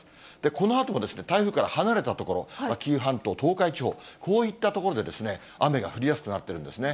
このあとも台風から離れた所、紀伊半島、東海地方、こういった所で雨が降りやすくなってるんですね。